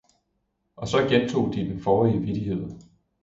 og så gentog de den forrige vittighed.